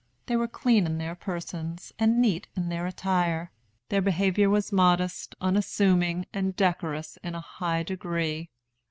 They were clean in their persons, and neat in their attire. Their behavior was modest, unassuming, and decorous in a high degree.